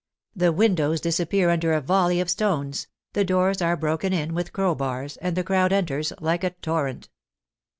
The windows disappear under a volley of stones, the doors are broken in with crowbars, and the crowd enters like a torrent.